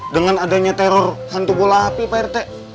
dengan adanya teror hantu bola api pak rt